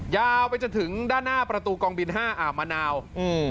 ยาวไปจนถึงด้านหน้าประตูกองบินห้าอ่าวมะนาวอืม